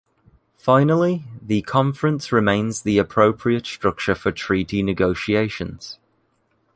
Finally, the Conference remains the appropriate structure for treaty negotiations.